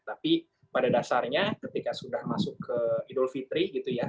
tapi pada dasarnya ketika sudah masuk ke idul fitri gitu ya